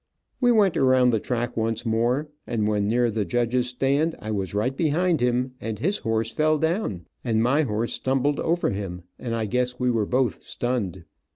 We went around the track once more, and when near the judge's stand I was right behind him, and his horse fell down and my horse stumbled over him, and I guess we were both stunned.